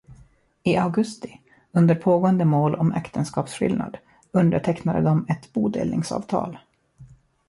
I augusti – under pågående mål om äktenskapsskillnad – undertecknade de ett bodelningsavtal.